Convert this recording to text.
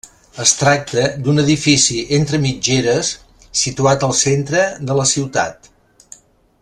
Es tracta d'un edifici entre mitgeres situat al centre de la ciutat.